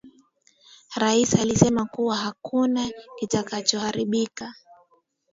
Rais alisema kuwa hakuna kitakacho haribika